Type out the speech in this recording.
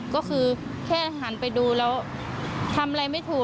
ก็คือแค่หันไปดูแล้วทำอะไรไม่ถูก